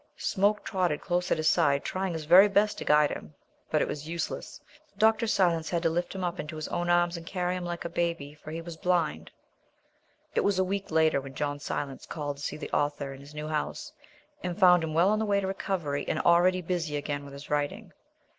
Smoke trotted close at his side, trying his very best to guide him. But it was useless. Dr. Silence had to lift him up into his own arms and carry him like a baby. For he was blind. III It was a week later when John Silence called to see the author in his new house, and found him well on the way to recovery and already busy again with his writing.